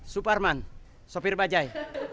suparman sopir bajaj